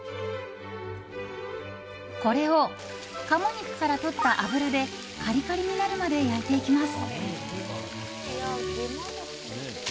これを、鴨肉からとった脂でカリカリになるまで焼いていきます。